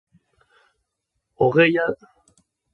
Hogei ale baino gutxiago ezagutzen dira.